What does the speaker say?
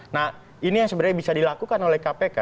nah ini yang sebenarnya bisa dilakukan oleh kpk